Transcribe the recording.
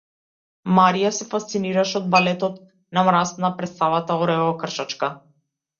Марија се фасцинираше од балетот на мраз на претставата Оревокршачка.